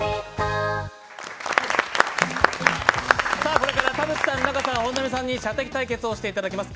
これから田渕さん、仲さん、本並さんに射的対決をしていただきます。